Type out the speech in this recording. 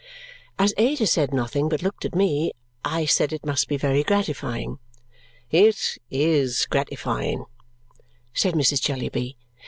As Ada said nothing, but looked at me, I said it must be very gratifying. "It IS gratifying," said Mrs. Jellyby.